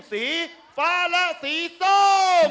สีฟ้าและสีส้ม